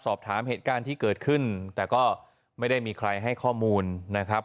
สอบถามเหตุการณ์ที่เกิดขึ้นแต่ก็ไม่ได้มีใครให้ข้อมูลนะครับ